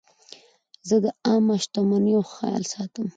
زه د عامه شتمنیو خیال ساتم.